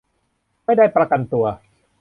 ไม่ได้ประกันตัว